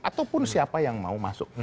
ataupun siapa yang mau masuk